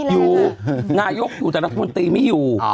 อยู่นายกอยู่แต่รัฐมนตรีไม่อยู่